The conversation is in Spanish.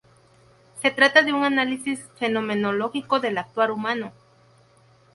Se trata de un análisis fenomenológico del actuar humano.